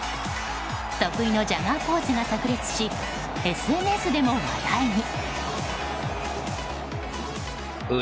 得意のジャガーポーズが炸裂しＳＮＳでも話題に。